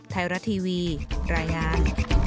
ไทราทีวีรายงาน